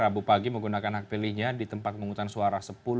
rabu pagi menggunakan hak pilihnya di tempat penghutang suara sepuluh